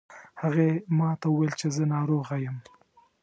هغې ما ته وویل چې زه ناروغه یم